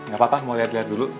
gak apa apa mau lihat lihat dulu